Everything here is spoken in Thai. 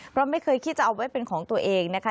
เพราะไม่เคยคิดจะเอาไว้เป็นของตัวเองนะคะ